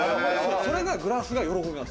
それでグラスが喜びます。